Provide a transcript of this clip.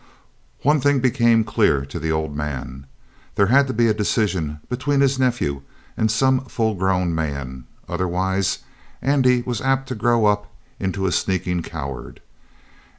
One thing became clear to the old man. There had to be a decision between his nephew and some full grown man, otherwise Andy was very apt to grow up into a sneaking coward.